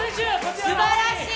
すばらしい！